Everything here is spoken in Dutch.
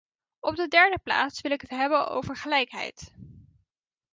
Op de derde plaats wil ik het hebben over gelijkheid.